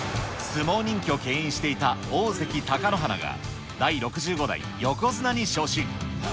相撲人気をけん引していた大関・貴乃花が、第６５代横綱に昇進。